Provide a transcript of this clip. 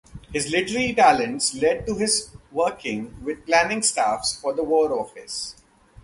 His literary talents led to his working with planning staffs for the War Office.